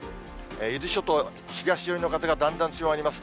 伊豆諸島、東寄りの風がだんだん強まります。